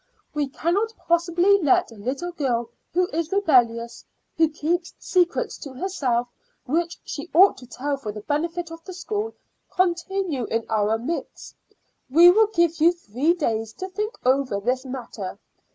We cannot possibly let a little girl who is rebellious, who keeps secrets to herself which she ought to tell for the benefit of the school, continue in our midst. We will give you three days to think over this matter.